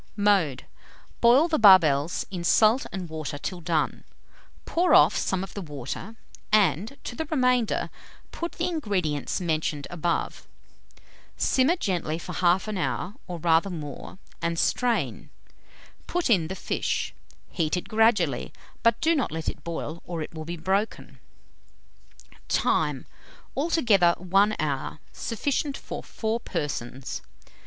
Mode Boil the barbels in salt and water till done; pour off some of the water, and, to the remainder, put the ingredients mentioned above. Simmer gently for 1/2 hour, or rather more, and strain. Put in the fish; heat it gradually; but do not let it boil, or it will be broken. Time. Altogether 1 hour. Sufficient for 4 persons.